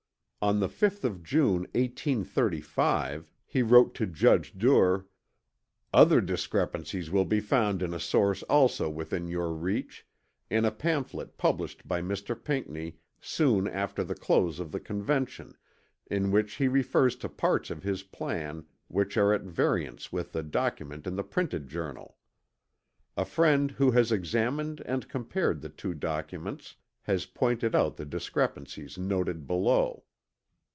On the 5th of June 1835 he wrote to Judge Duer: "Other discrepancies will be found in a source also within your reach, in a pamphlet published by Mr. Pinckney soon after the close of the Convention, in which he refers to parts of his plan which are at variance with the document in the printed Journal. A friend who has examined and compared the two documents has pointed out the discrepancies noted below."